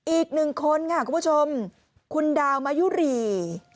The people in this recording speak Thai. อีกหนึ่งคนค่ะคุณผู้ชมคุณดาวมายุรี